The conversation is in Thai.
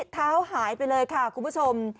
เท้าหายไปเลยค่ะคุณผู้ชม